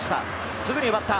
すぐに奪った。